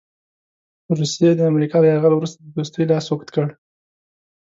روسیې د امریکا له یرغل وروسته د دوستۍ لاس اوږد کړ.